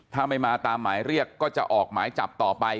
ถ้าไม่มาตามหมายเรียกก็จะออกหมายจับต่อไป